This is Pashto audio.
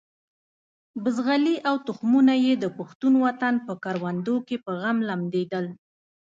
بزغلي او تخمونه یې د پښتون وطن په کروندو کې په غم لمدېدل.